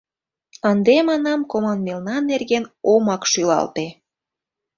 Ынде, манам, команмелна нерген омак шӱлалте...